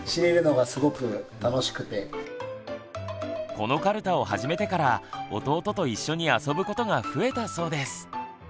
このカルタを始めてから弟と一緒に遊ぶことが増えたそうです。